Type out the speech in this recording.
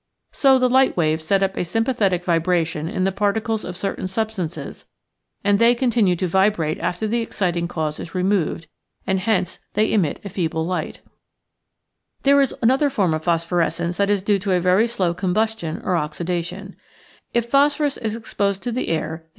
So the light waves set up a sympathetic vibration in the particles of cer tain substances and they continue to vibrate after the exciting cause is removed, and hence they emit a feeble light. There is another form of phosphorescence that is due to a very slow combustion or oxida tion. If phosphorus is exposed to the air the , i . Original from UNIVERSITY OF WISCONSIN pboepborescence.